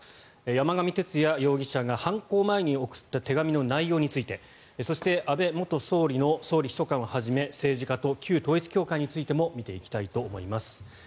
山上徹也容疑者が犯行前に送った手紙の内容についてそして、安倍元総理の総理秘書官をはじめ政治家と旧統一教会の関係についても見ていきたいと思います。